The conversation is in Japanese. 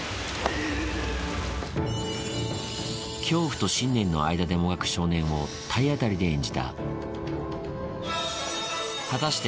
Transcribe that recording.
恐怖と信念の間でもがく青年を体当たりで演じた。